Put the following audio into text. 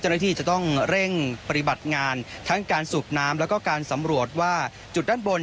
เจ้าหน้าที่จะต้องเร่งปฏิบัติงานทั้งการสูบน้ำแล้วก็การสำรวจว่าจุดด้านบน